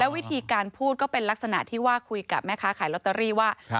วิธีการพูดก็เป็นลักษณะที่ว่าคุยกับแม่ค้าขายลอตเตอรี่ว่า